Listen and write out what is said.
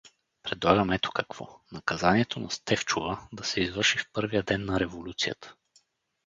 Предлагам ето какво: наказанието на Стефчова да се извърши в първия ден на революцията.